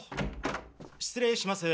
失礼します。